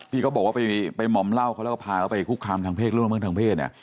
พี่ก็บอกว่าไปหมอมเหล้าเขาแล้วก็พาเขาไปคุกคามทางเพศ